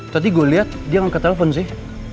tadi gue liat dia ngangkat telepon sih